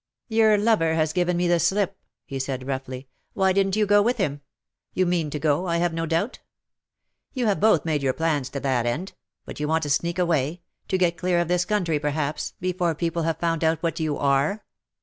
'^"Your lover has given me the slip,"" he said, roughly ;^^ why didn't you go with him ? You mean to go, I have no doubt. You have both made your plans to that end — but you want to sneak away — to get clear of this country, perhaps, before people have found out what you are.